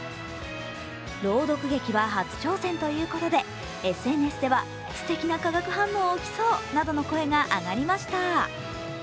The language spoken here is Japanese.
朗読劇は初挑戦ということで、ＳＮＳではすてきな化学反応起きそうなどの声が上がりました。